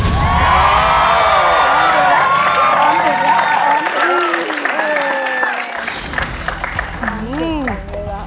ถูก